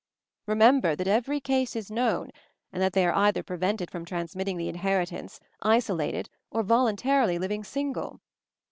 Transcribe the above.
Remember that every case is known, and that they are either prevented from transmitting the inheritance, isolated, or voluntarily living single.